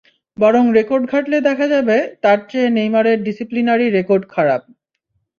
বরং রেকর্ড ঘাঁটলে দেখা যাবে, তাঁর চেয়ে নেইমারের ডিসিপ্লিনারি রেকর্ড খারাপ।